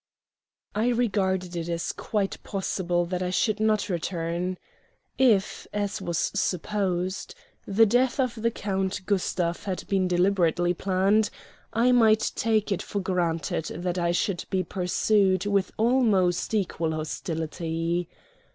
I regarded it as quite possible that I should not return. If, as was supposed, the death of the Count Gustav had been deliberately planned, I might take it for granted that I should be pursued with almost equal hostility.